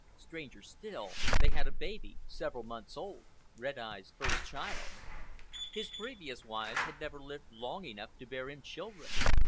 Stranger still, they had a baby several months old—Red Eye's first child. His previous wives had never lived long enough to bear him children.